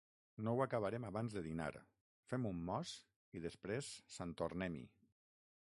No ho acabarem abans de dinar. Fem un mos i després sant tornem-hi!